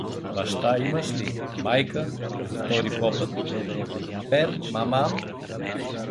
— Баща имаш ли, майка — повтори попът. — Пер, маман?